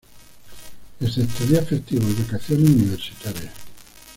Excepto días festivos y vacaciones universitarias.